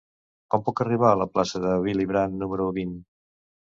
Com puc arribar a la plaça de Willy Brandt número vint?